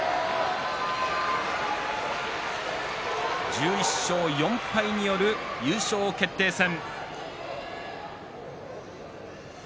１１勝４敗による優勝決定戦。